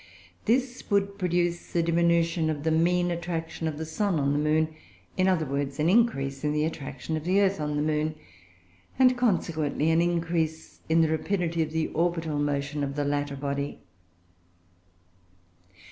This would produce a diminution of the mean attraction of the sun on the moon; or, in other words, an increase in the attraction of the earth on the moon; and, consequently, an increase in the rapidity of the orbital motion of the latter body.